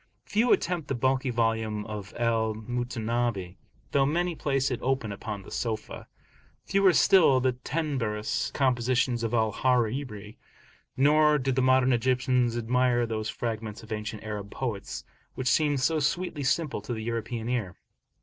Few attempt the bulky volume of Al Mutanabbi though many place it open upon the sofa, fewer still the tenebrous compositions of Al Hariri; nor do the modern Egyptians admire those fragments of ancient Arab poets, which seem so sweetly simple to the European ear.